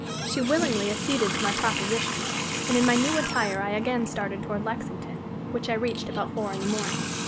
She willingly acceded to my proposition, and in my new attire I again started toward Lexington, which I reached about four in the morning.